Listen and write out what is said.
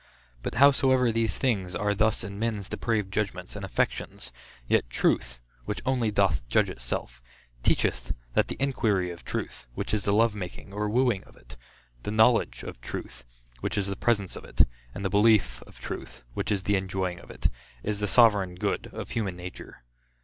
But, howsoever these things are thus in men's depraved judgments, and affections, yet truth, which only doth judge itself, teacheth that the inquiry of truth, which is the love making, or wooing of it, the knowledge of truth, which is the presence of it, and the belief of truth, which is the enjoying of it, is the sovereign good of human nature.